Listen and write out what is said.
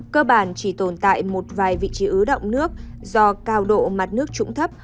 cơ bản chỉ tồn tại một vài vị trí ứ động nước do cao độ mặt nước trũng thấp